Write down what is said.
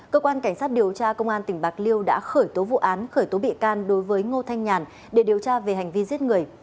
cơ quan cảnh sát điều tra công an tỉnh bạc liêu đã khởi tố vụ án khởi tố bị can đối với ngô thanh nhàn để điều tra về hành vi giết người